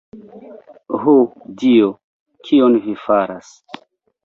Ho, Dio! kion vi faras!